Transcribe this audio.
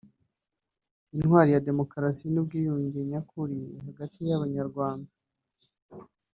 intwali ya demokarasi n’ubwiyunge nyakuli hagati y’abanyarwanda